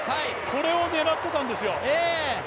これを狙ってたんですよ。